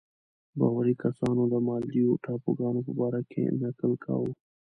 باوري کسانو د مالدیو ټاپوګانو په باره کې نکل کاوه.